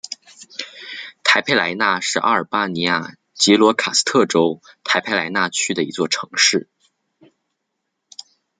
台佩莱纳是阿尔巴尼亚吉罗卡斯特州台佩莱纳区的一座城市。